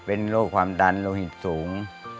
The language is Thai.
เป็นโรคความดันโลหิตสูง